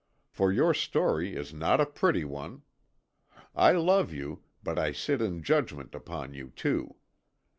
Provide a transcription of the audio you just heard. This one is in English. For your story is not a pretty one. I love you, but I sit in judgment upon you, too.